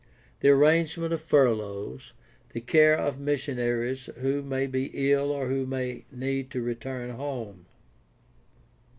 the arrangement of furloughs, the care of missionaries who may be ill or who may need to return home.